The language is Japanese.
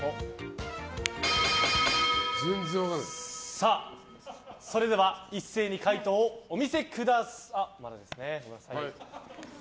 さあ、それでは一斉に回答をお見せください。